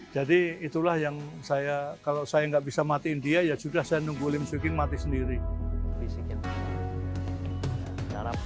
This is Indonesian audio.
jadi itulah yang kalau saya tidak bisa mati dia ya sudah saya tunggu lim swicking mati sendiri